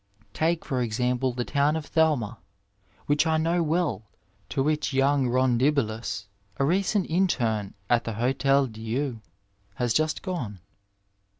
Take, for example, the town of Thelma, which I know well, to which young Bondibilis, a recent interne at the fldtel Didu, has just gone.